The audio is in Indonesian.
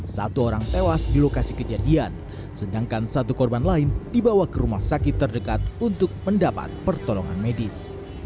satu orang tewas di lokasi kejadian sedangkan satu korban lain dibawa ke rumah sakit terdekat untuk mendapat pertolongan medis